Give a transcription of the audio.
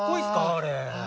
あれ。